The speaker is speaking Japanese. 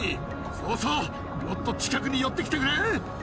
そうそうもっと近くに寄ってきてくれ。